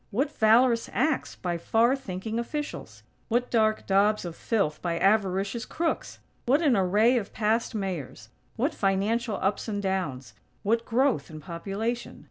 What valorous acts by far thinking officials! What dark daubs of filth by avaricious crooks! What an array of past Mayors; what financial ups and downs; what growth in population.